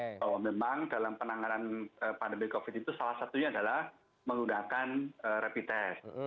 bahwa memang dalam penanganan pandemi covid itu salah satunya adalah menggunakan rapid test